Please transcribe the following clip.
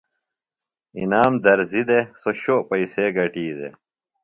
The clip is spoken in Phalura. انعام درزی دےۡ۔ سوۡ شو پئیسے گٹی دےۡ۔